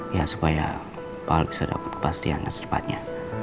ya supaya pak hal bisa dapet kepastianan selepasnya